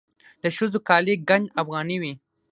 د ښځو کالي ګنډ افغاني وي.